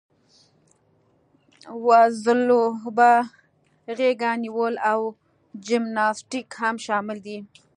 وزلوبه، غېږه نیول او جمناسټیک هم شامل دي.